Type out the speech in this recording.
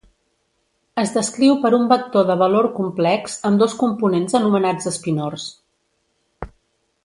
Es descriu per un vector de valor complex amb dos components anomenats espinors.